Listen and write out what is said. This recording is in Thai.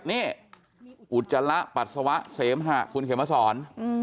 นี่อุจจาระปัสสาวะเสมหะคุณเขียนมาสอน